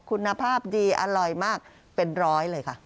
คุณภาพดีอร่อยมากเป็นร้อยเลยค่ะ